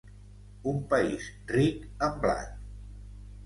Un país ric en blat.